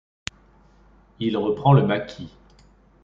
Il reprend le maquis.